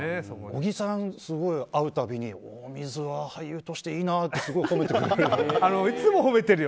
小木さん、すごい会う度に大水は俳優としていいなってすごい褒めてくれる。